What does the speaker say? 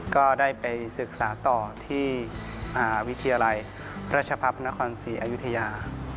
ก็ได้ไปศึกษาต่อที่วิทยาลัยราชพัฒนครศรีอยุธยา